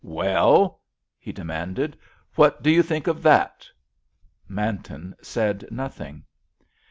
"Well?" he demanded. "What do you think of that?" Manton said nothing.